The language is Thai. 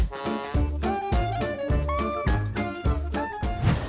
บันทึก